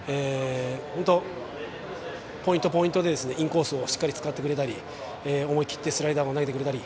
本当ポイント、ポイントでインコースをしっかり使ってくれたり思い切ってスライダーを投げてくれたり。